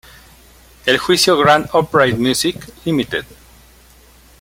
El juicio, Grand Upright Music, Ltd.